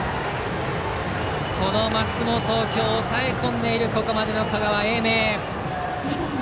この松本を抑え込んでいるここまでの香川・英明。